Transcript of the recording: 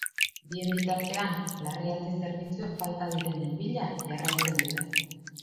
Bien bitartean, larrialdi zerbitzuek falta direnen bila jarraitzen dute.